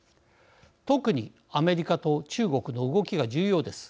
特にアメリカと中国の動きが重要です。